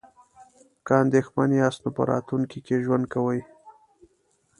که اندیښمن یاست نو په راتلونکي کې ژوند کوئ.